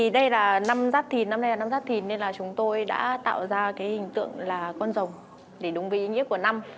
để tạo ra hình tượng là con rồng để đúng với ý nghĩa của năm